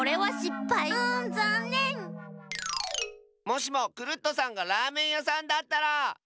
もしもクルットさんがラーメンやさんだったら！